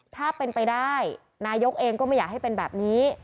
ถ้าเป็นไปได้นายกเองก็ไม่อยากให้เป็นแบบนี้